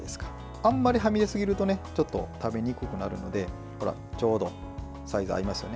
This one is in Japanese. あまりはみ出すぎると食べにくくなるのでちょうど、サイズ合いますよね。